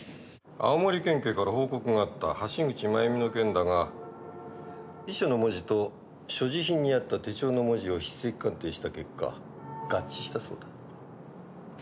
青森県警から報告があった橋口まゆみの件だが遺書の文字と所持品にあった手帳の文字を筆跡鑑定した結果合致したそうだ。